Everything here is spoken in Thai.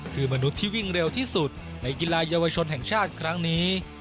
คือมนุษย์ที่วิ่งเร็วที่สุดในกีฬาเยาวชนแห่งชาติครั้งนี้